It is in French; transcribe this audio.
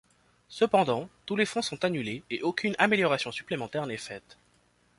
Cependant, tous les fonds sont annulés et aucune amélioration supplémentaire n'est faite.